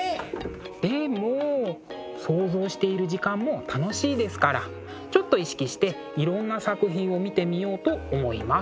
でも想像している時間も楽しいですからちょっと意識していろんな作品を見てみようと思います。